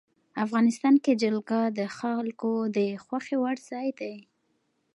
افغانستان کې جلګه د خلکو د خوښې وړ ځای دی.